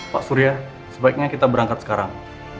pak surya sebaiknya kita berangkat sekarang